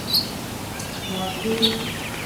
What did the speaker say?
_مالټې.